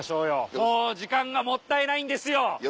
もう時間がもったいないんですよ！